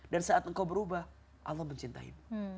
dan saat engkau berubah allah mencintai